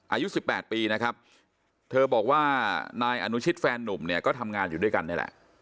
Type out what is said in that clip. อายุ๑๘ปีนะครับเธอบอกว่านายอนุชิตแฟนนุ่มเนี่ยก็ทำงานอยู่ด้วยกันนี่แหละ